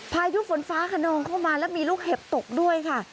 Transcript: พายุฝนฟ้าขนองเข้ามาแล้วมีลูกเห็บตกด้วยค่ะ